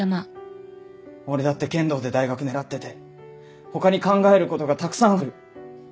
俺だって剣道で大学狙ってて他に考えることがたくさんある。